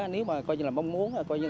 nếu mà mong muốn